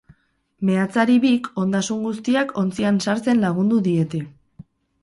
Meatzari bik ondasun guztiak ontzian sartzen lagundu diete.